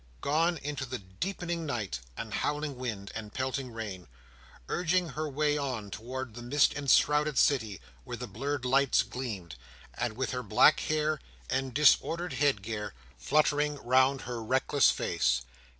Gone into the deepening night, and howling wind, and pelting rain; urging her way on towards the mist enshrouded city where the blurred lights gleamed; and with her black hair, and disordered head gear, fluttering round her reckless face.